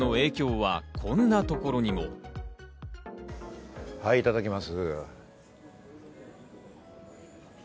はい、いただきます。